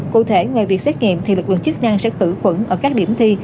cụ thể ngoài việc xét nghiệm thì lực lượng chức năng sẽ khử khuẩn ở các điểm thi